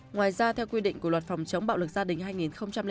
ngoài ra theo quy định của luật phòng chống bạo lực gia đình hai nghìn năm